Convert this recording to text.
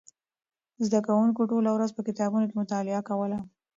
زده کوونکو ټوله ورځ په کتابتون کې مطالعه کوله.